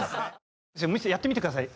じゃあミスターやってみてください。